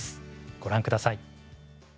ご覧ください。